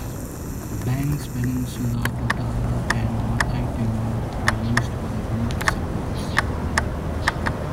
Banks Peninsula totara and matai timber were used for the roof supports.